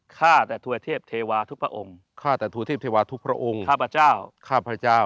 ข้าแต่ทุยเทพเทวาทุพระองค์ข้าพเจ้าข้าพเจ้า